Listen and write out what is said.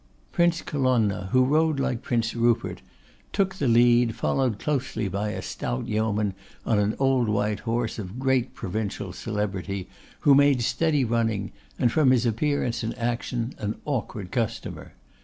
Prince Colonna, who rode like Prince Rupert, took the lead, followed close by a stout yeoman on an old white horse of great provincial celebrity, who made steady running, and, from his appearance and action, an awkward customer.